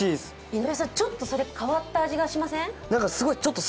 井上さん、ちょっいと変わった味しません？